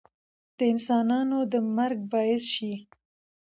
د انسانانو د مرګ باعث شي